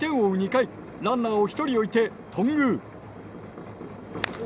２回ランナーを１人置いて、頓宮。